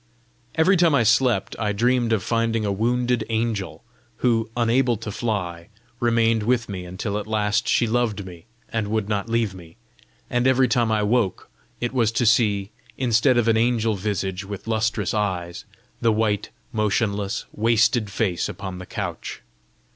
Every time I slept, I dreamed of finding a wounded angel, who, unable to fly, remained with me until at last she loved me and would not leave me; and every time I woke, it was to see, instead of an angel visage with lustrous eyes, the white, motionless, wasted face upon the couch.